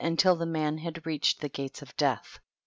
until the man had reached the gates of death.